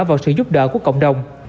vào sự giúp đỡ của cộng đồng